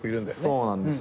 そうなんですよ。